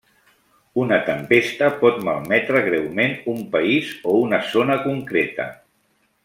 Una tempesta pot malmetre greument un país o una zona concreta.